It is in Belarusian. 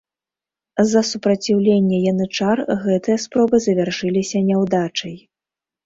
З-за супраціўлення янычар гэтыя спробы завяршыліся няўдачай.